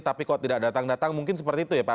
tapi kok tidak datang datang mungkin seperti itu ya pak